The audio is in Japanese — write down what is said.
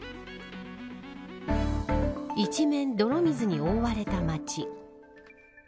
一面泥水に覆われた街。